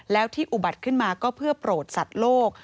แล้วที่อุบัติขึ้นมาก็เพื่อโปรดสัตว์โลก